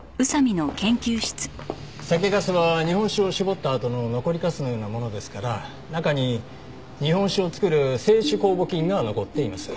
酒粕は日本酒を搾ったあとの残りかすのようなものですから中に日本酒を造る清酒酵母菌が残っています。